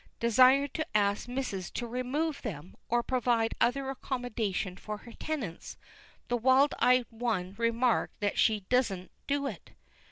Desired to ask missus to remove them, or to provide other accommodation for her tenants, the wild eyed one remarked that she "dursen't do it."